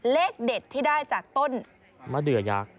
เลขเด็ดที่ได้จากต้นมะเดือยักษ์